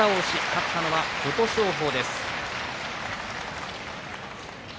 勝ったのは琴勝峰です。